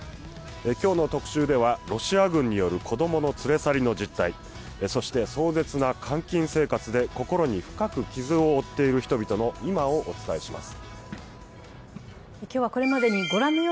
今日の特集ではロシア軍による子供の連れ去りの実態、そして壮絶な監禁生活で心に深く傷を負っている人々の今をお伝えします。